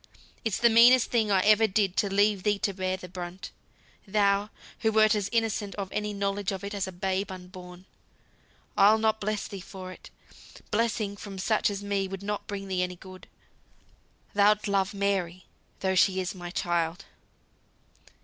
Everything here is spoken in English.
It's the meanest thing I ever did to leave thee to bear the brunt. Thou, who wert as innocent of any knowledge of it as the babe unborn. I'll not bless thee for it. Blessing from such as me would not bring thee any good. Thou'lt love Mary, though she is my child."